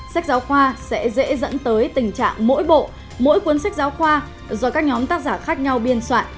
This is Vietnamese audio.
sách giáo khoa sẽ dễ dẫn tới tình trạng mỗi bộ mỗi cuốn sách giáo khoa do các nhóm tác giả khác nhau biên soạn